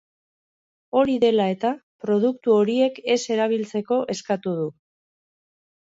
Hori dela eta, produktu horiek ez erabiltzeko eskatu du.